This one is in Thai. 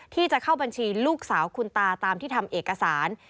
ที่จะเข้าบัญชีลูกสาวคุณตาตามที่ทำเอกสาร